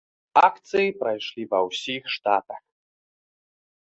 Акцыі прайшлі ва ўсіх штатах.